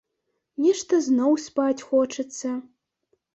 Нешта зноў спаць хочацца.